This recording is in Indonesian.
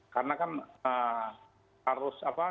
karena kan harus apa